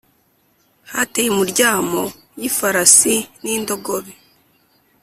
hateye muryamo y ifarasi n’indogobe